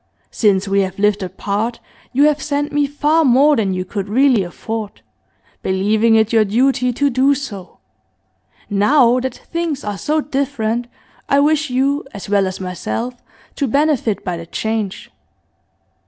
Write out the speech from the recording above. Since we have lived apart you have sent me far more than you could really afford, believing it your duty to do so; now that things are so different I wish you, as well as myself, to benefit by the change.